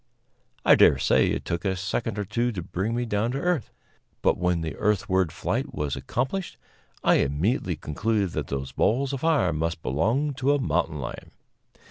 I dare say it took a second or two to bring me down to earth, but when the earthward flight was accomplished I immediately concluded that those balls of fire must belong to a mountain lion.